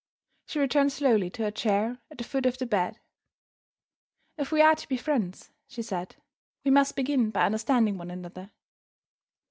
She returned slowly to her chair at the foot of the bed. "If we are to be friends," she said, "we must begin by understanding one another.